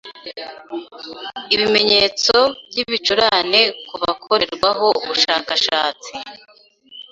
ibimenyetso by'ibicurane ku bakorerwaho ubushakashatsi,